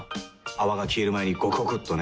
泡が消える前にゴクゴクっとね。